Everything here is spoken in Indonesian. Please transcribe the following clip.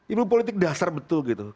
ilmu politik dasar betul gitu